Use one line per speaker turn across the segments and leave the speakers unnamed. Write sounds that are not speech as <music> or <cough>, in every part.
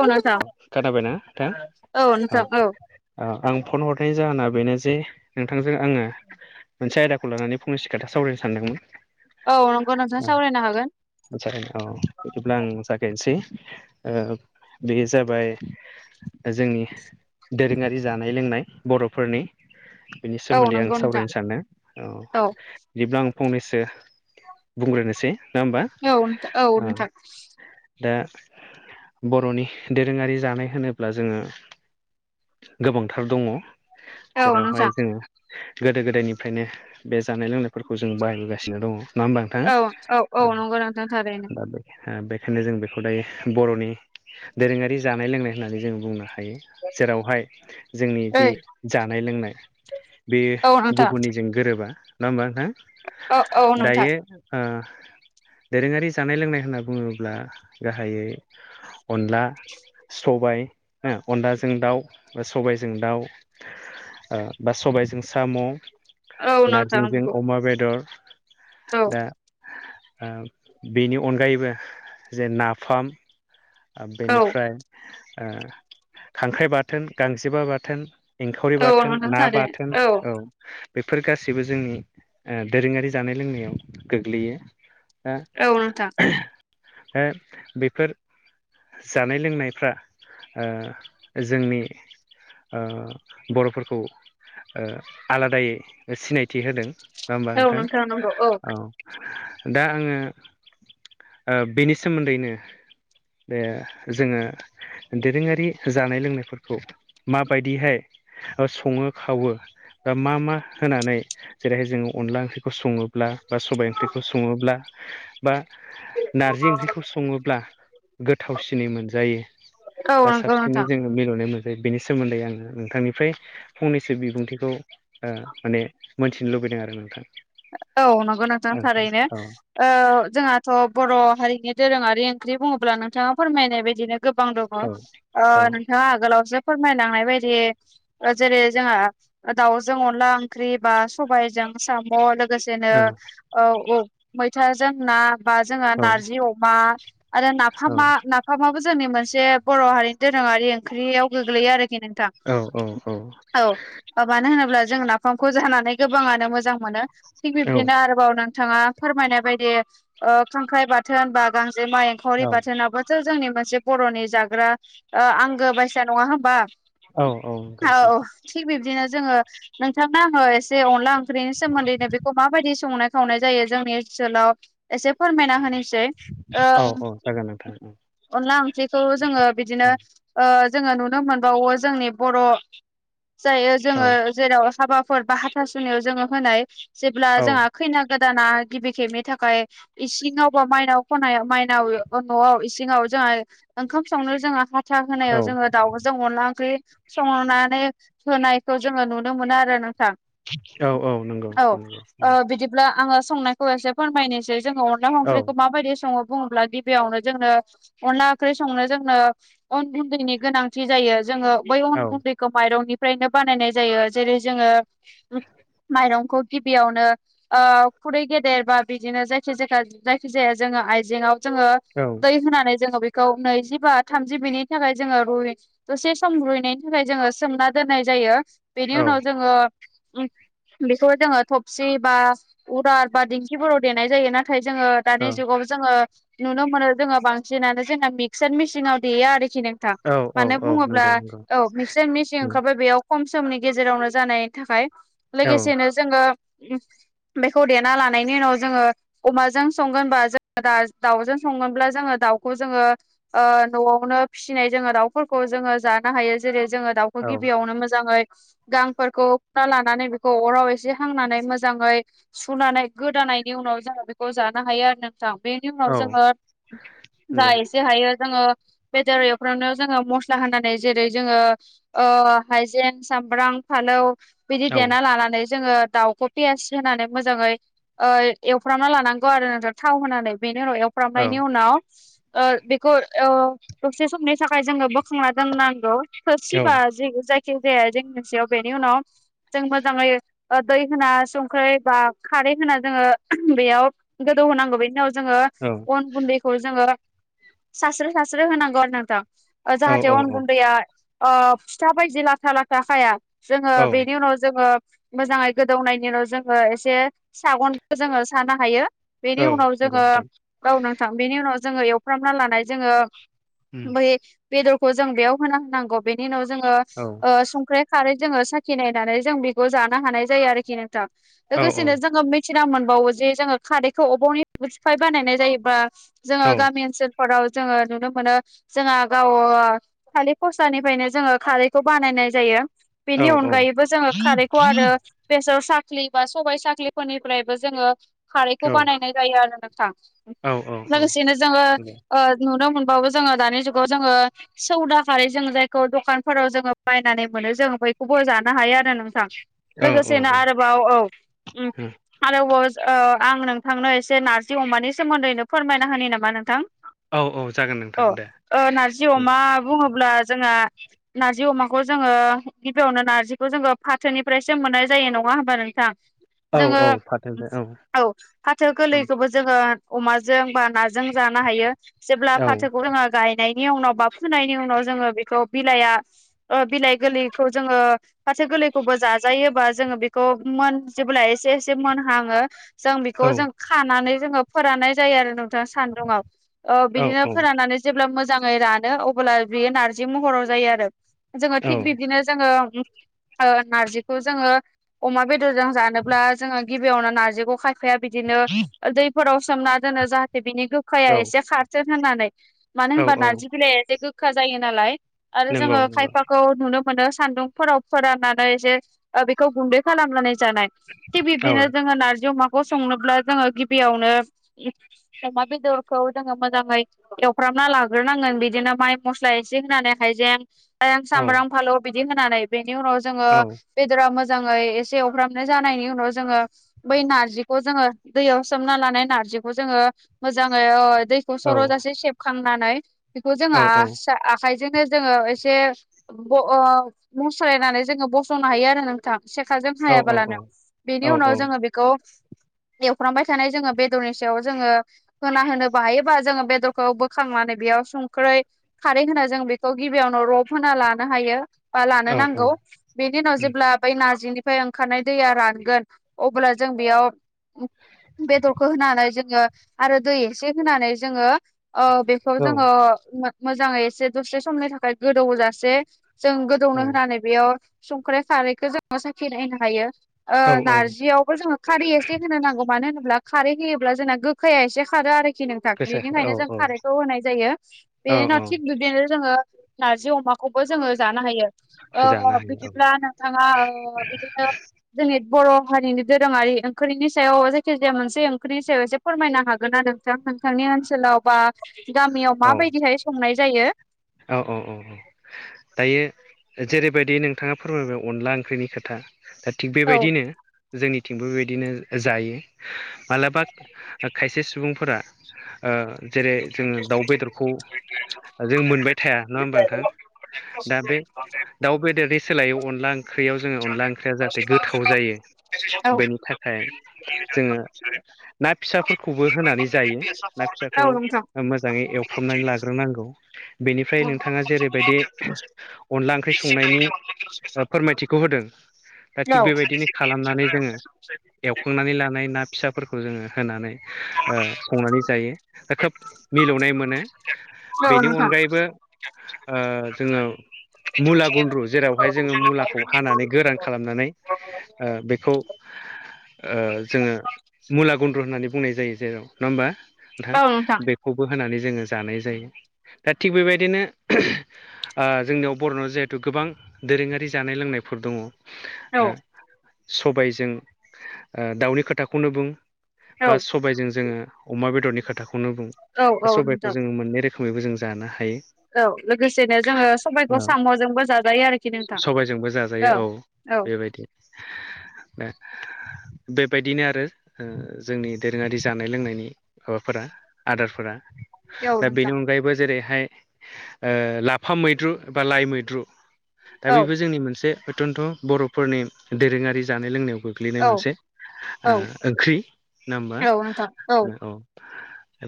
औ नोंथां
खोनाबायना नोंथां औ ओ आं फन हरनायनि जाहोना बेनो जे नोंथांजों आङो मोनसे आयदाखौ लानानै फंनैसो खोथा सावरायनो सानदोंमोन
औ नंगौ नोंथाङा सावरायनो हागोन।
जागाय औ बिदिब्ला आं जागायनोसै ओ बे जाबाय जोंनि दोरोङारि जानाय लोंनाय बर'फोरनि बेनि
औ
सोमोन्दै आं
नंगौ नोंथां
सावरायनो सान्दों औ बिदिब्ला आं फंनैसो बुंग्रोनोसै ना होमबा
औ नोंथा औ
ओ
नोंथां।
दा बर'नि दोरोङारि जानाय होनोब्ला जोङो गोबांथार दङ।
औ
जेरावहाय
नोंथां
जोङो गोदो गोदायनिफ्रायनो बे जानाय लोंनायफोरखौ जों बाहायबोगासिनो दङ। नङा होमबा नोंथाङा
औ औ औ नंगौ नोंथां थारैनो
दा बेखायनो जों बेखौ दायो बर'नि दोरोङारि जानाय लोंनाय होननानै जों बुंनो हायो जेरावहाय जोंनि जि
ओइ
जानाय लोंनाय बे
औ नोंथां
गुबुननिजों गोरोबा नङा होमबा नोंहा नोंथां?
औ औ नोंथां
दायो दोरोङारि जानाय लोंनाय होनना बुङोब्ला गाहायै अनला सबाय हो अनलाजों दाउ, सबायजों दाउ बा सबायजों साम',
औ नोंथां
नारजिजों
नंगौ
अमा बेदर,
औ
दा बेनि अनगायैबो जे नाफाम ओ
औ
बेनिफ्राय खांख्राइ बाथोन गांजेमा बाथोन, एंखावरि
औ
बाथोन
नोंथां
ना बाथोन
थारैनो
औ। बेफोर गासैबो जोंनि दोरोङारि जानाय लोंनायाव गोग्लैयो।
औ नोंथां।
<inaudible> हो बेफोर। जानाय लोंनायफ्रा ओ जोंनि ओ बर'फोरखौ आलादायै सिनायथि होदों नङा होमबा
औ
नोंथां?
नंगौ औ
औ दा आङो बेनि सोमोन्दैनो बे जोङो दोरोङारि जानाय लोंनायफोरखौ माबायदिहाय सङो खावो दा मा मा होनानै जेरैहाय जोङो अनला ओंख्रिखौ सङोब्ला बा सबाय ओंख्रिखौ सङोब्ला बा नारजि ओंख्रिखौ सङोब्ला, गोथावसिनै मोनजायो
औ
बा
नंगौ नोंथां
साबसिनै जों मिलौनाय मोनजायो बेनि सोमोन्दै आङो नोंथांनिफ्राय फंनैसो बिबुंथिखौ माने मोनथिनो लुबैदों आरो नोंथां।
औ नंगौ नोंथां
औ
थारैनो। जोंहाथ' बर' हारिनि दोरोङारि ओंख्रि बुङोब्ला नोंथाङा फोरमायनाय बायदिनो गोबां दं।
औ
नोंथाङा आगोलावसो फोरमायलांनाय बायदि जेरै जोंहा दाउजों अनला ओंख्रि बा सबायजों साम लोगोसेनो मैथाजों ना। जों
औ
नारजि अमा आरो नाफाम। नाफामाबो जोंनि मोनसे बर' हारिनि दोरोङारि ओंख्रियाव गोग्लैयो आरोखि नोंथां।
औ औ-औ।
औ मानो होनोब्ला जों नाफामखौ जानानै गोबाङानो मोजां मोनो थिग
औ
बिब्दिनो।
औ
आरोबाव नोंथाङा फोरमायनाय बायदि खांख्राइ बाथोन बा गांजेमाइ।
औ
एंखावरि बाथोनाबोथ' जोंनि मोनसे बर'नि जाग्रा आंगो बायसा नङा होम्बा।
औ औ नोंगौ नोंथां।
थिग बिब्दिनो जोङो नोंथां आङो एसे अनला ओंख्रिनि सोमोन्दैनो बेखौ माबायदि संनाय सावनाय जायो जोंनि ओनसोलाव एसे फोरमायना होनोसै। ओ
औ औ जागोन नोंथां।
अनला ओंख्रिखौ जोङो बिदिनो जोङो नुनो मोनबावो जोंनि बर'। जायो जोङो जेराव हाबाफोर बा हाथासुनियाव जोङो होनाय जेब्ला
औ
जोंहा। खैना गोदाना गिबि खेबनि थाखाय इसिङावबा माइनाव खनाय माइनाव न'आव इसिङाव जोंहा। ओंखाम सावनो जोङो हाथा होनायाव
औ
जोङो। दाउजों अनला ओंख्रि संनानै होनायखौ जोङो नुनो मोनो आरो नोंथां।
औ औ नंगौ नंगौ
औ बिदिब्ला आङो संनायखौ एसे फोरमायनोसै जोंङो ना स
औ
ओंख्रिखौ मायदि सङो बुङोब्ला दि बेयावनो जोंनो अनला ओंख्रि संनो जोंनो उन उन्दैनि गोनांथि जायो जोङो बै
औ
अन गुन्दैखौ माइरंनिफ्रायनो बानायनाय जायो जेरै जोङो माइरंखौ गिबियावनो खुरै गेदेर बा बिदिनो जायखि जाय जायखि जाया जोङो आयजेंआव जोङो
औ
दै होनानै जोङो बेखौ नैजि बा थामजि बिनि थाखाय जोङो रुइ दसे सम रुइनायनि थाखाय जोङो सोमना दोननाय जायो
औ
बेनि उनाव जोङो बेखौ जोङो थबसि बा उरार बा दिंखिफोराव देनाय जायो नाथाय जोङो दानि जुगाव जोङो नुनो मोनो जोङो बांसिनानो जोंना मिक्सार मिसिनाव देयो आरोखि नोंथां
औ औ
मानो
औ
बुङोब्ला
नंगौ नंगौ
औ मिक्सार मेसिं
उम,
ओंखारबाय बेयाव खम समनि गेजेरावनो जानायनि थाखाय
औ
लोगोसेनो जोङो बेखौ देना लानायनि उनाव जोङो अमाजों संगोनबा जो दा दाउजों संगोनब्ला जोङो दाउखौ जोङो न'आवनो फिसिनाय जोङो दाउफोरखौ जोङो जानो हायो जेरै जोङो दाउ
औ
गिबियावनो मोजाङै गांफोरखौ हना लानानै बे खौ अराव एसे हांनानै मोजाङै सुनानै गोदानायनि उनाव जोंङो बेखौ जानो हायो आरो नों ज बेनि
औ
उनाव जोङो जा
नंगौ
जेहायो जोङो बेदर एवफ्रावनो जोङो मस्ला होनानै जेरै जोङो अ हाइजें सामब्राम फालौ बिदि
औ
द लानानै जोङो दाउखौ पियास होनानै मोजाङै एवफ्रामना लानांगौ आरो नोंसोर थाव होनानै बेनि उनाव
औ
एवफ्रामनायनि उनाव बेखौ दबसे समनि थाखाय जोङो बोखांना दोननांगौ
औ
थसिबा ज जायखिजाया जों मोनसेयाव बेनि उनाव जों मोजाङै दै होना संख्रि बा खारै होना जोङो बेयाव गोदौ होनांगौ बेनि उनाव जोङो अन गुन्दैखौ जोङो सास्रो सास्रो होनांगौ आरो नोंथां
औ
जाहाथे अन गुन्दैया फिथा बायदि लाथ्रा लाथाखाया जोङो
औ
बेनि उनाव जोङो मोजाङै गोदौनायनि उनाव जोङो एसे सागनखौ जोङो सानो हायो बेनि उनाव
औ नंगौ
जोङो
नोंथां
गावनांथां बेनि उनाव जोङो एवफ्रामना लानाय जोङो
उम,
बै। बेदरखौ जों बेयाव होना होनांगौ बेनि उनाव जोङो
औ।
संख्रै खारै जोङो साखि नायनानै जों बेखौ जानो हानाय जायो आरोखि नोंथां।
औ
लोगोसेनो
औ
जोङो मिथिना मोनबावो जे जोङो खारैखौ अबावनि सिफाय बानायनाय जायोबा जोङो गामि ओनसोल फोराव जोङो नुनो मोनो जोंहा गाव खालि फस्लानिफ्रायनो जोङो खारैखौ बानायनाय जायो। बेनि अनगायैबो जोङो खारैखौ आरो बेसर साख्रि बा सबाय साख्रिफोरनिफ्रायबो जोङो खारैखौ बानायनाय जायो आरो नोंथां लोगोसेनो जोङो नुनो मोनबावो जोङो दानि जुगाव जोङो सौद खारै जों जायखौ दखानफोराव जोङो बायनानै मोनो जों बयखौबो जानो हायो आरो नों लोगोसेनो
उम,
आरोबाव औ आरोबाव आं नोंथांनो एसे नार्जि अमानि सोमोन्दैनो फोरमायना होो नामा नोंथां
औ औ जागोन
औ
नोंथां दे
नारजि
उम,
अमा बुङोब्ला जोंहा नार्जि अमाखौ जोङो गिबियावनो नारजिखौ जोङो फाथोनिफ्रायसो मोननाय जायो नङा होमबा नोंथां?
औ
जोङो
औ फाथोनिफ्राय
औ फाथो
उम,
गोरलैखौबो जोङो अमाजों बा नाजों जानो हायो जेब्ला
औ
फाथोखौ जोङो गायनायनि उनाव बा फुनायनि उनाव जोङो बेखौ बिलाइया ओ बिलाइ गोरलैखौ जोङो फाथो गोरलै खौबो जाजायोबा जोङो बेखौ मोन जेब्ला एसे एसे मोनहाङो जों
औ
बेखौ जों खानानै जोङो फोराननाय जायो आरो नोंथां सान्दुुङाव ओ बिदिनो
औ
फोराननानै जेब्ला मोजाङै रानो अब्ला बियो नारजि महराव जायो आरो। जोङो थिग
औ
बिब्दिनो जोङो ओ नारजिखौ जोङो अमा बेदरजों जानोब्ला जोङो गिबियावनो नारजिखौ खाय सेया बिदिनो दैफोराव सोमना दोनो जाहाथे बिनि गो खाया
औ
एसे खारथो होननानै मानो
औ
होनबा
औ
नार्जि बिलाइया एसे गोखा जायो नालाय आरो
नंगौ
जोङो
नंगौ
खायफाखौ नुनो मोनो सान्दुंफोराव फोराननानै एसे बेखौ गुन्दै खालामनानै जानाय थिग
औ
बिबदिनो जोङो नारजि अमा खौ संनोब्ला जोङो गिबियावनो अमा बेदरखौ जोङो मोजाङै एवफ्रामना लाग्रोनांगोन बिदिनो माइ मस्ला एसे होनानै हाइजें हां सामब्राम
औ
फालौ बिदि होनानै बेनि उनाव जोङो बेदरा मोजाङै एसे एवफ्रामनाय जानायनि उनाव जोङो बै नारजिखौ जोङो दैयाव सोमना लानाय नारजिखौ जोङो मोजाङै दै
औ
सर'जासे सेबखांनानै बेखौ जोंहा
औ औ
आखायजोंनो जोङो एसे ब ओ मुस्रायनानै जोङो बस'नो हायो आरो नों थां सेखाजों
औ औ
हायाबालानो बेनि
औ
उनाव जोङो बेखौ एवफ्रामबाय थानाय जोङो बेदरनि सायाव जोङो होना होनोबा हायो बा जोङो बेदरखौ बोखांनानै बेयाव संख्रै खारै होनो जों बेखौ गिबियावनो रब होना लानो हायो बा लानो नांगौ। बेनि उनाव जेब्ला बै नारजिनिफ्राय ओंखारनाय दैया रानगोन अब्ला जों बेयाव बेदरखौ होनानै जोङो आरो दै एसे होनानै जोङो ओ बे खौ
औ
जोङो मोजाङै एसे दसे समनि थाखाय गोदौजासे जों गोदौनो होनानै बेयाव संख्रै खारैखो जोङो साखि नायनो हायो। ओ
औ औ
नारजियावबो जोङो खारै एसे होनो नांगौ मानो होनोब्ला खारै होयोब्ला जोंना गोखाया एसे खारो आरो
गोसा औ
बेनिखायनो जों खारैखौ होनाय जायो
औ
बेनि उनाव थिग बिब्दिनो जोङो नारजि अमाखौबो जोङो जानो हायो ओ
जानो हायो औ
बिदिब्ला नोंथाङा ओ बिदिनो जोंनि बर' हारिनि दोरोङारि ओंख्रिनि सायाव जायखिजाया मोनसे ओंख्रिनि सायाव फोरमायनो हागोन ना नोंथां नोंथांनि ओनसोलाव बा गामियाव माबायदिहाय संनाय जायो।
औ-औ-औ-औ। दायो जेरैबायदि नोंथाङा फोरमायबाय अनला ओंख्रिनि खोथा। दा थिग
औ
बेबायदिनो जोंनिथिंबो बेबायदिनो जायो मालाबा खायसे सुबुंफोरा ओ जेरै जोङो दाउ बेदरखौ जों मोनबाय थाया नङा होमबा नोंथां। दा बे दाउ बेदरनि सोलायै अनला ओंख्रियाव जोङो अनला ओंख्रिया जाहाथे गोथाव जायो
औ
बेनि थाखाय जोङो ना फिसाफोरखौबो होनानै जायो ना फिसा खौ
औ नोंथां
मोजाङै एवफ्रामनानै लाग्रोनांगौ। बेनिफ्राय
औ
नोंथाङा जेरैबायदि अनला ओंख्रि संनायनि फोरमायथिखौ होदों दा थिग बेबायदिनो खालामनानै जोङो एवखांनानै लानाय ना फिसाफोरखौ जोङो होनानै ओ संनानै जायो दा खोब मिलौनाय मोनो
औ
बेनि
नोंथां
अनगायैबो बो ओ जोङो मुला गुन्द्रु जेरावहाय जोङो मुलाखौ हानानै गोरान खालामनानै ओ बेखौ ओ जोङो मुला गुन्द्रु होननानै बुंनाय जायो जेराव नङा होमबा। नोंथां बेखौबो होनानै जोङो जानाय जायो दा थिग बेबायदिनो ओ जोंनियाव बर'नाव जिहेथु गोबां दोरोङारि जानाय लोंनायफोर दङ।
औ
ओ सबायजों ओ दाउनि खोथाखौनो बुं
औ
बा सबायजों जोङो अमा बेदरनि खोथाखौनो बुं
औ औ
दा
नोंथां
सबायखौ जोङो मोननै रोखोमैबो जों जानो हायो।
औ लोगोसेनो जोङो
औ
सबायखौ साम'जोंबो जाजायो आरोखि नोंथां।
बो जायो औ।
औ
बेबायदि <inaudible> ओ बेबायदिनो आरो ओ जोंनि दोरोङारि जानाय लोंनायनि माबाफोरा आदारफोरा
औ
दा बेनि
नोंथां
अनगायैबो जेरैहाय ओ लाफा मैद्रु बा लाइ मैद्रु दा
औ
बेबो जोंनि मोनसे अयतन्थ' बर'फोरनि दोरोङारि जानाय लोंनायाव गो ग्लैनाय
औ
मोनसे ओ
औ
ओंख्रि ना मा
औ नोंथां
औ।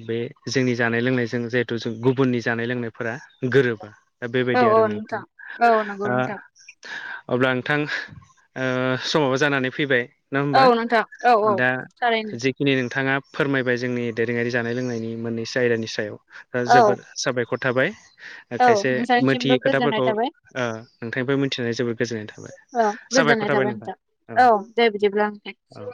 बे जोंनि जानाय लोंनायजों जिहेथु जों गुबुननि जानाय लोंनायफोरा गोरोबा। दा
औ
बेबायदि
औ
आरो नोंथां
औ नंगौ
ओ
नोंथां
अब्ला नोंथां ओ समावबो जानानै फैबाय। नङा होमबा
औ नोंथां औ औ
दा
थारैनो
जे दिनै नोंथाङा फोरमायबाय जोंनि दोरोङारि जानाय लोंनायनि मोननैसो आयदानि सायाव
औ
जोबोद साबायखर थाबाय
औ
खायसे
नोंथांनिसिमबो
मिथियै
गोजोननाय
खोथाफोरखौ
थाबाय
ओ नोंथांनिफ्राय मिथिनानै जोबोद गोजोननाय थाबाय।
औ गोजोननाय
साबायखर थाबाय नोंथां
औ दे बिदिब्ला नोंथां
औ-औ।